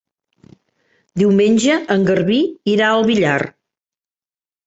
Diumenge en Garbí irà al Villar.